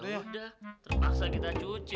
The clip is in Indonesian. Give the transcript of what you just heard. udah terpaksa kita cuci